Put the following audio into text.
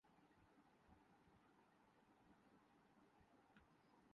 مارچ سے شروع ہوکر جون تک چترال کی خوبصورتی اپنے عروج پر پہنچ جاتی ہے